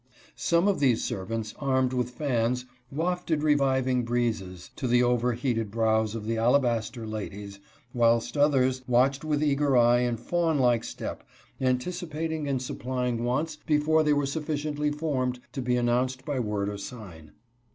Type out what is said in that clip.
Some of these servants, armed with fans, wafted reviving breezes to the over heated brows of the alabaster ladies, whilst others CARRIAGES, HORSES, AND HOUNDS. 67 watched with eager eye and fawn like step, anticipating and supplying wants before they were sufficiently formed to be announced by word or sign.